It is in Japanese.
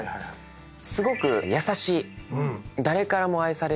すごく優しい。